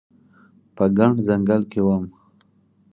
په ګڼ ځنګل کې وم